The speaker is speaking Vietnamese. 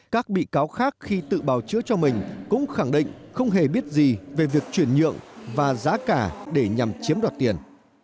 các bị cáo khác khi tự bào chữa cho mình cũng khẳng định không hề biết gì về việc chuyển nhượng và giá cả để nhằm chiếm đoạt tiền